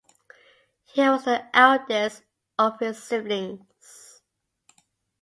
He was the eldest of his siblings.